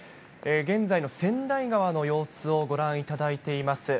現在の川内川の様子をご覧いただいています。